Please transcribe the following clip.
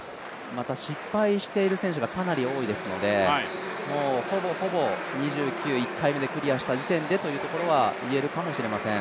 また失敗している選手がかなり多いですのでほぼほぼ２９、１回目でクリアした時点でというところは言えるかもしれません。